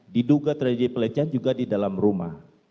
diduga terjadi pelecehan juga di dalam rumah